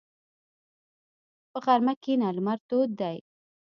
په غرمه کښېنه، لمر تود دی.